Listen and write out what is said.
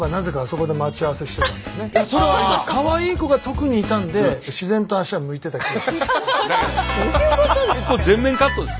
かわいい子が特にいたんで自然と足が向いていた気がします。